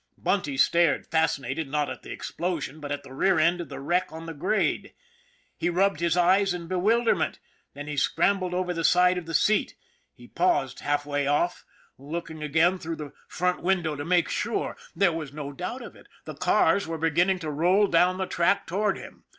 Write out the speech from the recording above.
Bunty stared, fasci nated, not at the explosion, but at the rear end of the wreck on the grade. He rubbed his eyes in bewilder ment, then he scrambled over the side of the seat. He paused half way off, looking again through the front THE LITTLE SUPER 39 window to make sure. There was no doubt of it : the cars were beginning to roll down the track toward him.